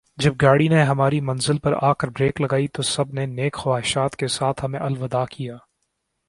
جب گاڑی نے ہماری منزل پر آ کر بریک لگائی تو سب نے نیک خواہشات کے ساتھ ہمیں الوداع کیا